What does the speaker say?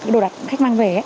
đồ đặt khách mang về